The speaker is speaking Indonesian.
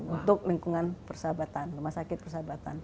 untuk lingkungan persahabatan rumah sakit persahabatan